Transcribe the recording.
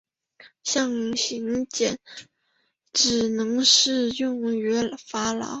象形茧只能适用于法老。